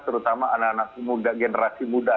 terutama anak anak muda generasi muda